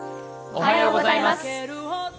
おはようございます。